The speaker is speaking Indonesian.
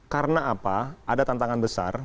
karena apa ada tantangan besar